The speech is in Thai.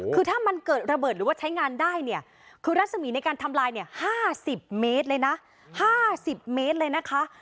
คือถ้ามันเกิดระเบิดหรือว่าใช้งานได้เนี่ยคือรัศมีร์ในการทำลายเนี่ย๕๐เมตรเลยนะ๕๐เมตรเลยนะคะ